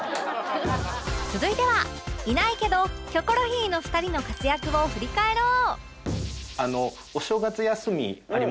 続いてはいないけどキョコロヒーの２人の活躍を振り返ろう